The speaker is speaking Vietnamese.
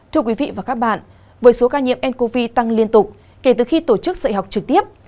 thưa quý vị và các bạn với số ca nhiễm ncov tăng liên tục kể từ khi tổ chức dạy học trực tiếp